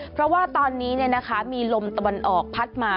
เพราะว่าตอนนี้เนี่ยนะคะมีลมตะวันออกพัดมา